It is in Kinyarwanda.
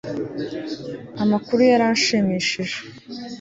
amakuru yaranshimishije